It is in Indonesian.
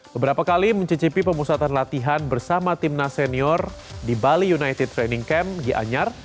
beberapa kali mencicipi pemusatan latihan bersama timnas senior di bali united training camp gianyar